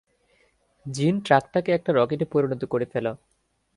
জিন, ট্রাকটাকে একটা রকেটে পরিণত করে ফেলো।